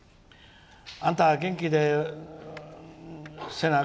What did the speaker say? あんた、元気でせなあ